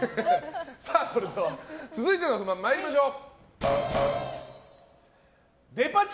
それでは続いての不満参りましょう。